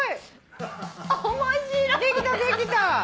できたできた。